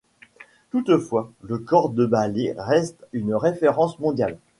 Toutefois, le corps de ballet reste une référence mondiale.